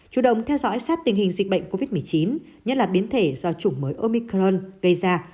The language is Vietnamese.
chủ động theo dõi sát tình hình dịch bệnh covid một mươi chín nhất là biến thể do chủng mới omicron gây ra